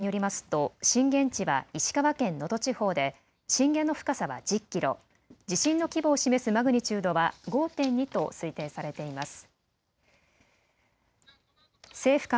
気象庁の観測によりますと震源地は石川県能登地方で震源の深さは１０キロ、地震の規模を示すマグニチュードは５．２と推定されています。